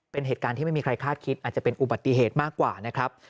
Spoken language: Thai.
เป็นเหตุการณ์ที่ไม่มีใครคาดคิดอาจจะเป็นอุบัติเหตุมากกว่านะครับ